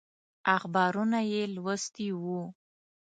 اخبارونه یې لوستي وو.